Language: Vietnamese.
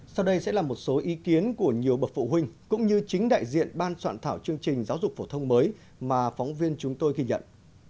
sau đây sẽ là một số ý kiến của nhiều bậc phụ huynh cũng như chính đại diện ban soạn thảo chương trình giáo dục phổ thông mới mà phóng viên chúng tôi ghi nhận